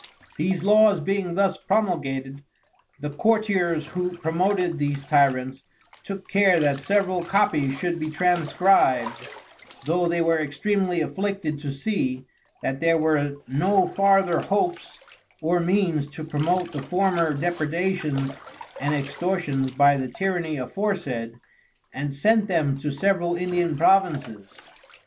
These Laws being thus promulgated, the Courtiers who promoted these Tyrants, took care that several Copies should be transcribed, (though they were extremely afflicted to see, that there was no farther hopes or means to promote the former Depredations and Extortions by the Tyranny aforesaid) and sent them to several Indian Provinces.